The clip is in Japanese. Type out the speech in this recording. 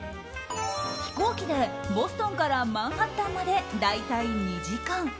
飛行機でボストンからマンハッタンまで大体２時間。